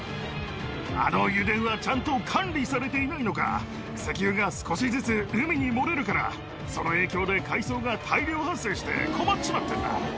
あの油田はちゃんと管理されていないのか、石油が少しずつ海に漏れるから、その影響で海藻が大量発生して困っちまってんだ。